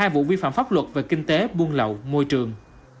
một mươi hai vụ vi phạm pháp luật về kinh tế buôn lậu môi trường